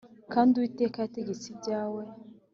Kandi Uwiteka yategetse ibyawe